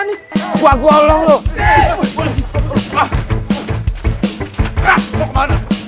ini bikin gerak gerak apa